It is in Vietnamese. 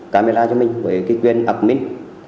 camera cho mình cái quyền admin